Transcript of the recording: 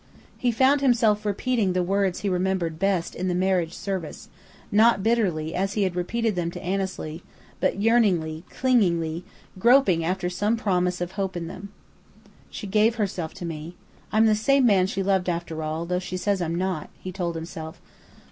He found himself repeating the words he remembered best in the marriage service, not bitterly as he had repeated them to Annesley, but yearningly, clingingly, groping after some promise of hope in them. "She gave herself to me. I'm the same man she loved, after all, though she says I'm not," he told himself.